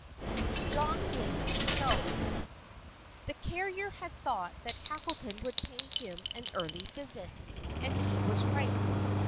John Blames Himself The carrier had thought that Tackleton would pay him an early visit, and he was right.